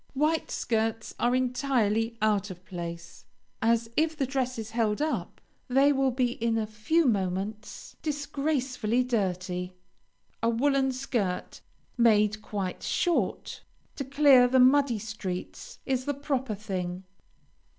White skirts are entirely out of place, as, if the dress is held up, they will be in a few moments disgracefully dirty. A woolen skirt, made quite short, to clear the muddy streets, is the proper thing.